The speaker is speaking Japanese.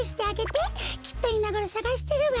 きっといまごろさがしてるわ。